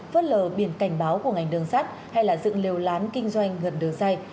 vớt lờ biển cảnh báo của ngành đường sắt hay là dựng lều lán kinh doanh gần đường dây